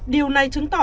điều này chứng tỏ